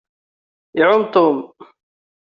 Iɛumm Tom.